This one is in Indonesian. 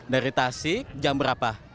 dari tasik jam berapa